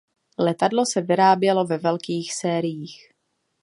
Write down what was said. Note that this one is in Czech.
Letadlo se vyrábělo ve velkých sériích.